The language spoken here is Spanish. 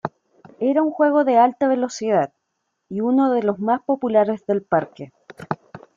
Era un juego de alta velocidad, y uno de los más populares del parque.